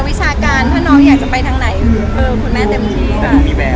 วิชาการถ้าน้องอยากจะไปทั้งไหนเพราะคุณแม่เต็มทรีย์ต้องมีแมว